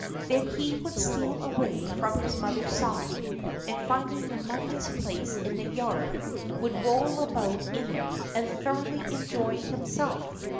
Then he would steal away from his mother's side, and finding the muddiest place in the yard, would roll about in it and thoroughly enjoy himself.